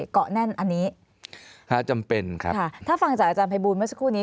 เกาะแน่นอันนี้จำเป็นครับค่ะถ้าฟังจากอาจารย์ภัยบูลเมื่อสักครู่นี้